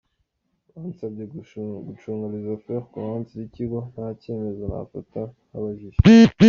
Bansabye gucunga les affaires courantes z’ikigo nta cyemezo nafata ntabajije.